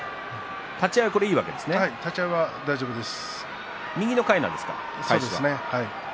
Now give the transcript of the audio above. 立ち合いは大丈夫です。